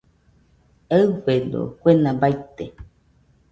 Eɨfedo kuena baite